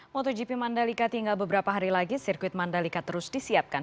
motogp mandalika tinggal beberapa hari lagi sirkuit mandalika terus disiapkan